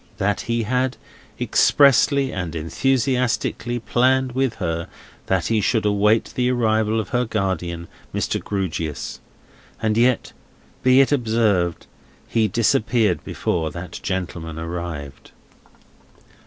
That he had, expressly and enthusiastically, planned with her, that he would await the arrival of her guardian, Mr. Grewgious. And yet, be it observed, he disappeared before that gentleman appeared.